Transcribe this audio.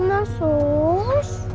gak boleh sus